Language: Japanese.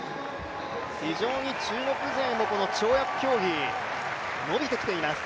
非常に中国勢も跳躍競技、伸びてきています。